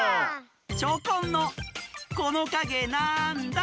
チョコンの「このかげなんだ？」。